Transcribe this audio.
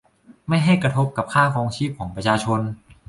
ไม่ให้กระทบกับค่าครองชีพของประชาชน